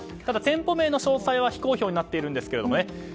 ただ店舗名の詳細は非公表になっているんですけどね。